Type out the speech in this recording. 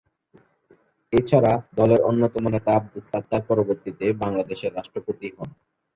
এছাড়া, দলের অন্যতম নেতা আবদুস সাত্তার পরবর্তীতে বাংলাদেশের রাষ্ট্রপতি হন।